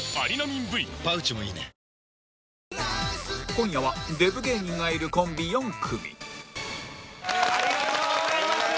今夜はデブ芸人がいるコンビ４組ありがとうございます！